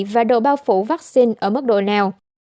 và độ bao phủ vaccine ở mức độ nào